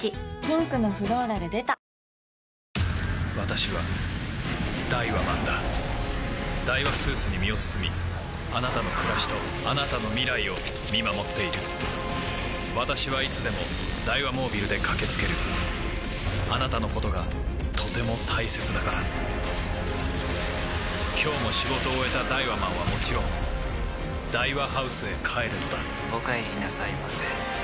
ピンクのフローラル出た私はダイワマンだダイワスーツに身を包みあなたの暮らしとあなたの未来を見守っている私はいつでもダイワモービルで駆け付けるあなたのことがとても大切だから今日も仕事を終えたダイワマンはもちろんダイワハウスへ帰るのだお帰りなさいませ。